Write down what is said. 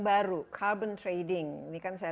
baru carbon trading ini kan saya